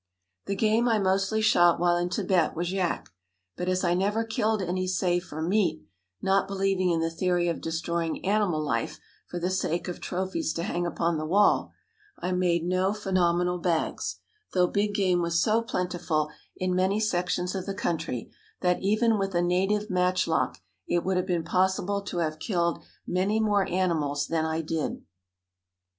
The game I mostly shot while in Tibet was yak; but, as I never killed any save for meat not believing in the theory of destroying animal life for the sake of trophies to hang upon the wall I made no phenomenal bags, though big game was so plentiful in many sections of the country that even with a native match lock it would have been possible to have killed many more animals than I did.